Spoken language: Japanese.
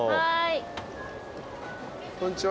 こんにちは。